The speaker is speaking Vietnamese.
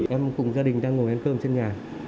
em cùng gia đình đang ngồi ăn cơm trên nhà